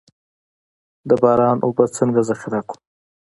د باران اوبه څنګه ذخیره کړو؟